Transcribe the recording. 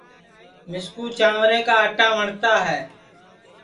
مِسکُو جانٚورے کا آٹا وٹؔتا ہے